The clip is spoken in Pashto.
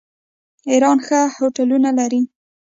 ایران ښه هوټلونه لري.